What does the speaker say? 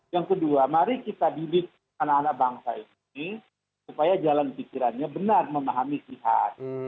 yang kedua mari kita didik anak anak bangsa ini supaya jalan pikirannya benar memahami sihat